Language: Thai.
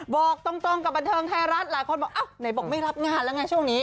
บอกตรงกับบันเทิงไทยรัฐหลายคนบอกอ้าวไหนบอกไม่รับงานแล้วไงช่วงนี้